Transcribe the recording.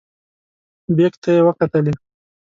بیک ته یې وکتلې.